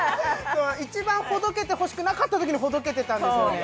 一番ほどけてほしくなかったときにほどけてたんですよね。